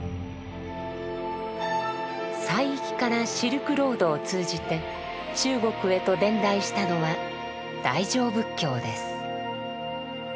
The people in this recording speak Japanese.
西域からシルクロードを通じて中国へと伝来したのは「大乗仏教」です。